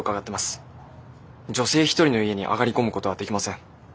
女性一人の家に上がり込むことはできません。